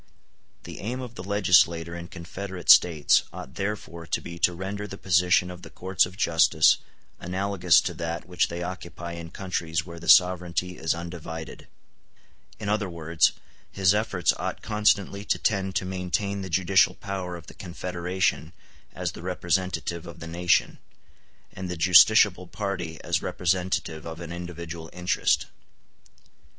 The aim of the legislator in confederate States ought therefore to be to render the position of the courts of justice analogous to that which they occupy in countries where the sovereignty is undivided; in other words, his efforts ought constantly to tend to maintain the judicial power of the confederation as the representative of the nation, and the justiciable party as the representative of an individual interest.